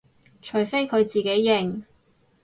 除非佢自己認